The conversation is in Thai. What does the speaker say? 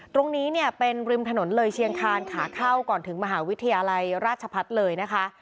ตรงนี้เนี่ยเป็นริมถนนเลยเชียงคานขาเข้าก่อนถึงมหาวิทยาลัยราชพัฒน์เลยนะคะ